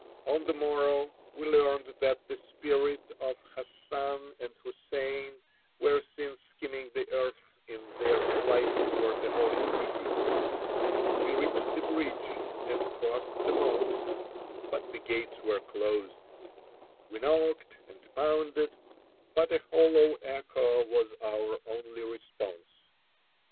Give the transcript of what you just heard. On the morrow we learned that the spirits of Hassan and Hussein were seen skimming the earth in their flight toward the Holy City. We reached the bridge, and crossed the moat, but the gates were closed. We knocked and pounded, but a hollow echo was our only response.